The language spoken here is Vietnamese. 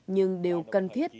nhưng đều cần thiết